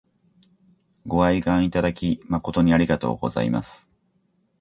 ご愛顧いただき誠にありがとうございます。